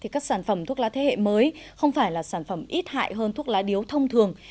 các sản phẩm thuốc lá thế hệ mới không phải là sản phẩm ít hại hơn thuốc lá điếu thông thường